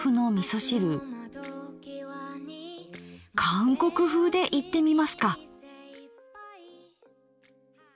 韓国風でいってみますか。